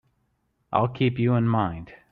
I'll keep you in mind.